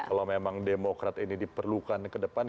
kalau memang demokrat ini diperlukan ke depan